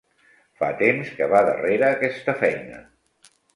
Fa temps que va darrere aquesta feina.